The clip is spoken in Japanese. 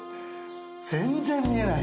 全然見えない。